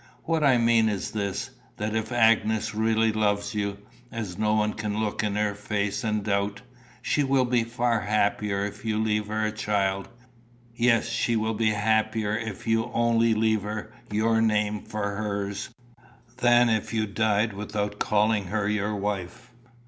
What I mean is this, that if Agnes really loves you, as no one can look in her face and doubt, she will be far happier if you leave her a child yes, she will be happier if you only leave her your name for hers than if you died without calling her your wife."